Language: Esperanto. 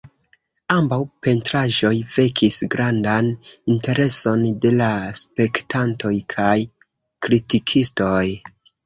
Ambaŭ pentraĵoj vekis grandan intereson de la spektantoj kaj kritikistoj.